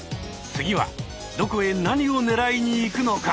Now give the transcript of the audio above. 次はどこへ何をねらいに行くのか？